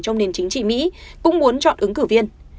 trong nền chính trị mỹ cũng muốn chọn ứng cử viên